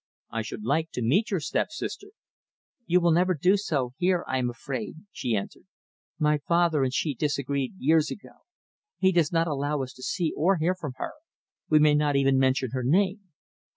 I should like to meet your step sister." "You will never do so here, I am afraid," she answered. "My father and she disagreed years ago. He does not allow us to see or hear from her. We may not even mention her name."